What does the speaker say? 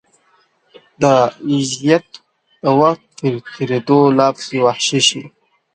دا اذیت د وخت په تېرېدو لا پسې وحشي شي.